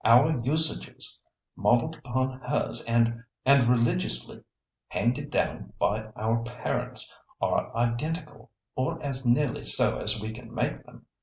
Our usages, modelled upon hers and religiously handed down by our parents, are identical, or as nearly so as we can make them.